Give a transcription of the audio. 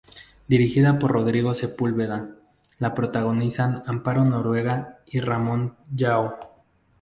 Dirigida por Rodrigo Sepúlveda, la protagonizan Amparo Noguera y Ramón Llao.